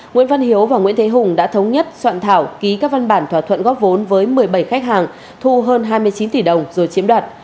nguyễn văn hiếu và nguyễn thế hùng đã thống nhất soạn thảo ký các văn bản thỏa thuận góp vốn với một mươi bảy khách hàng thu hơn hai mươi chín tỷ đồng rồi chiếm đoạt